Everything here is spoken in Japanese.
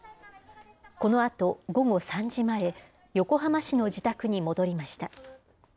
このあと午後３時前、横浜市の自宅に戻りました。